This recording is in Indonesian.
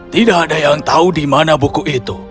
tidak ada yang tahu di mana buku itu